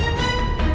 aku akan menang